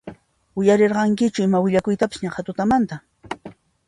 Uyarirankichu ima willakuytapis naqha tutamantan?